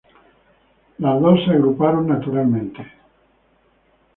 Las dos se agruparon naturalmente.